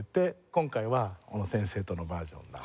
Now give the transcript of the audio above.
今回は小野先生とのバージョンなので。